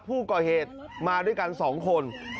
ผู้ก่อเหตุมาด้วยกัน๒คน